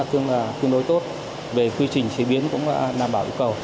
cũng là tương đối tốt về quy trình chế biến cũng là đảm bảo ưu cầu